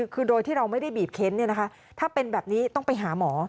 คือโดยที่เราไม่ได้บีบเค้นถ้าเป็นแบบนี้ต้องไปหาหมอ